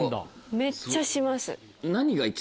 めっちゃします。